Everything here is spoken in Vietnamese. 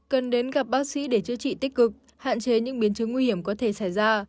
cần đến gặp bác sĩ để chữa trị tích cực hạn chế những biến chứng nguy hiểm có thể xảy ra